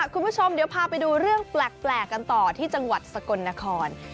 คุณผู้ชมเดี๋ยวพาไปดูเรื่องแปลกกันต่อที่จังหวัดสกลนคร